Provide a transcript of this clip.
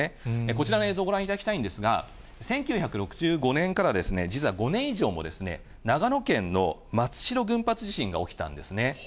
こちらの映像をご覧いただきたいんですが、１９６５年から実は５年以上も長野県の松代群発地震が起きたんですね。